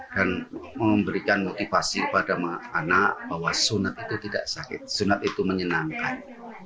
dan memberikan motivasi kepada anak bahwa sunat itu tidak sakit sunat itu menyenangkan